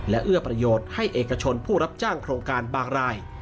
และเอื้อประโยชน์ให้เอกชนผู้รับจ้างโครงการบางราย